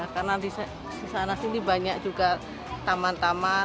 karena disana sini banyak juga taman taman